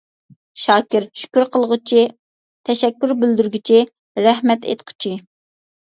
شاكىر : شۈكۈر قىلغۇچى، تەشەككۈر بىلدۈرگۈچى، رەھمەت ئېيتقۇچى.